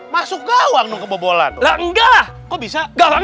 masuk gawang kebobolan enggak bisa enggak ada orang